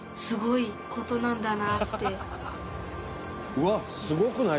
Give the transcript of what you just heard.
うわっすごくない？